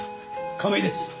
亀井です。